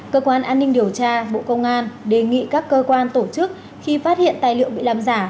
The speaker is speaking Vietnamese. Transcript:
cơ quan an ninh điều tra bộ công an đề nghị các cơ quan tổ chức khi phát hiện tài liệu bị làm giả